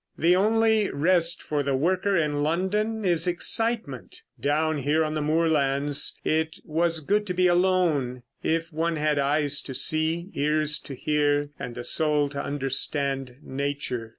The only rest for the worker in London is excitement. Down here on the moorlands it was good to be alone—if one had eyes to see, ears to hear, and a soul to understand nature.